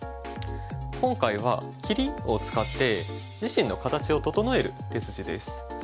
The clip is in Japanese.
今回は切りを使って自身の形を整える手筋です。